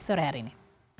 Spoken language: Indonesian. surah hari ini